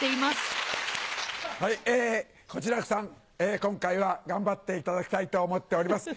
今回は頑張っていただきたいと思っております。